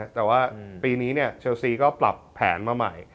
แต่ว่าปีนี้เชลซีก็ปรับแผนมาใหม่